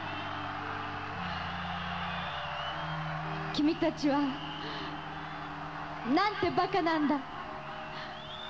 君たちはなんてバカなんだ。